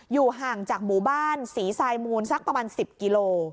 อยู่ห่างจากหมู่บ้านศรีทรายมูลสักประมาณ๑๐กิโล